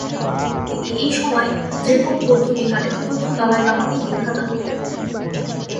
তিনি এই সময় দ্রেপুং বৌদ্ধবিহারে চতুর্থ দলাই লামাকে দীক্ষাদান করেন।